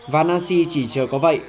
và nancy chỉ chờ có vậy